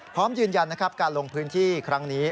พร้อมยืนยันนะครับการลงพื้นที่ครั้งนี้